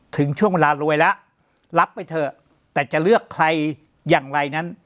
ถึงช่วงเวลารวยแล้วรับไปเถอะแต่จะเลือกใครอย่างไรนั้น